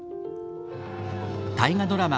大河ドラマ